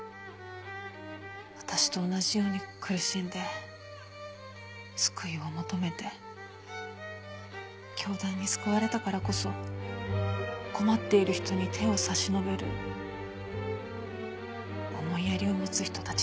私と同じように苦しんで救いを求めて教団に救われたからこそ困っている人に手を差し伸べる思いやりを持つ人たちでした。